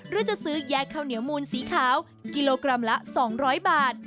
หรือจะซื้อแยกข้าวเหนียวมูลสีขาวกิโลกรัมละ๒๐๐บาท